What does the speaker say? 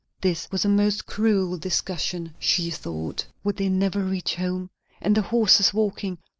This was a most cruel discussion, she thought. Would they never reach home? And the horses walking!